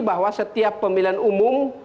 bahwa setiap pemilihan umum